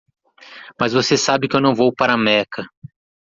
Mas você sabe que eu não vou para Meca.